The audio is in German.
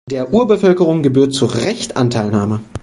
Der Urbevölkerung gebührt zu Recht Anteilnahme.